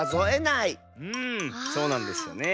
うんそうなんですよね。